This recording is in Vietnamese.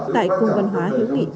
tại công văn hóa hiếu nghị việt sô